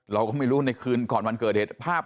เราก็ไม่รู้ในคืนก่อนวันเกิดเหตุภาพ